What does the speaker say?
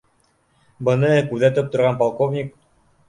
Быны күҙәтеп торған полковник: